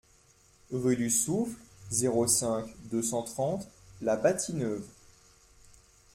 Rue du Souffle, zéro cinq, deux cent trente La Bâtie-Neuve